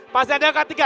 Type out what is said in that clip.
pasti ada yang ketiga